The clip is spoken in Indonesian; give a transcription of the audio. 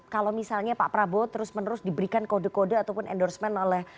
kalau misalnya pak prabowo terus menerus diberikan kode kode ataupun endorsement oleh